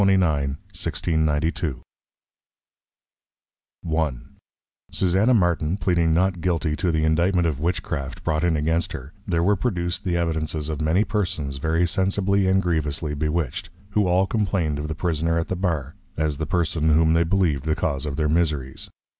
1692. I. Susanna Martin, pleading Not Guilty to the Indictment of Witchcraft, brought in against her, there were produced the Evidences of many Persons very sensibly and grievously Bewitched; who all complained of the Prisoner at the Bar, as the Person whom they believed the cause of their Miseries.